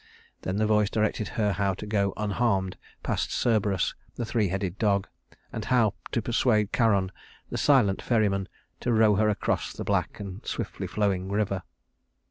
Then the voice directed her how to go unharmed past Cerberus, the three headed dog, and how to persuade Charon, the silent ferryman, to row her across the black and swiftly flowing river.